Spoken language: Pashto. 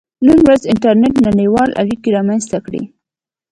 • نن ورځ انټرنېټ نړیوالې اړیکې رامنځته کړې.